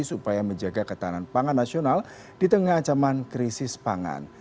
supaya menjaga ketahanan pangan nasional di tengah ancaman krisis pangan